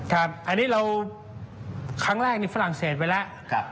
อันนี้เราครั้งแรกนี่ฝรั่งเศสไปแล้ว